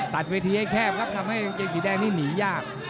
ตัดเวทีให้แคบครับทำให้กางเกงสีแดงนี่หนียาก